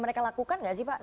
mereka lakukan nggak sih pak